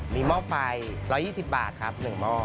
มีหม้อไฟ๑๒๐บาทครับ๑หม้อ